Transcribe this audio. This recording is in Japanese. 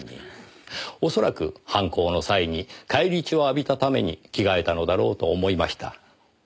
恐らく犯行の際に返り血を浴びたために着替えたのだろうと思いました。